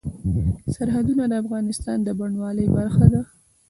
سرحدونه د افغانستان د بڼوالۍ برخه ده.